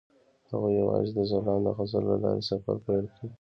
هغوی یوځای د ځلانده غزل له لارې سفر پیل کړ.